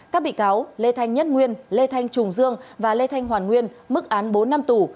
các bị cáo lê thanh nhất nguyên lê thanh trùng dương và lê thanh hoàn nguyên mức án bốn năm tù